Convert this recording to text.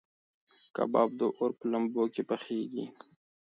کباب د اور په لمبو کې پخېږي.